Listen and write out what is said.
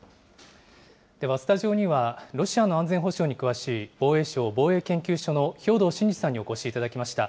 では、スタジオにはロシアの安全保障に詳しい防衛省防衛研究所の兵頭慎治さんにお越しいただきました。